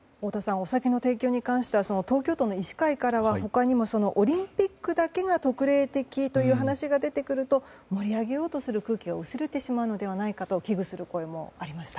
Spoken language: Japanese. お酒の提供に関しては東京都の医師会からは、他にもオリンピックだけが特例的という話が出てくると盛り上げようとする空気が薄れてしまうのではと危惧する声もありました。